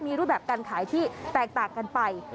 มีรูปแบบการขายที่แตกต่างกันไป